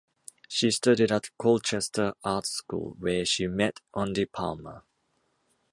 She studied at Colchester Arts School, where she met Andy Palmer.